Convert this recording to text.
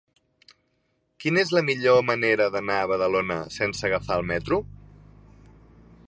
Quina és la millor manera d'anar a Badalona sense agafar el metro?